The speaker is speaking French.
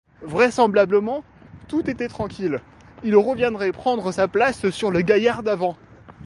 Vraisemblablement, tout étant tranquille, il reviendrait prendre sa place sur le gaillard d’avant.